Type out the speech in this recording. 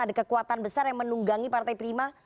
ada kekuatan besar yang menunggangi partai prima